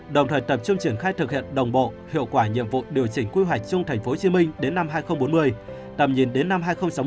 đồng thời tập trung triển khai thực hiện đồng bộ hiệu quả nhiệm vụ điều chỉnh quy hoạch chung tp hcm đến năm hai nghìn bốn mươi tầm nhìn đến năm hai nghìn sáu mươi